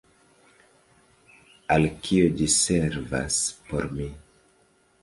Al kio ĝi servas por mi?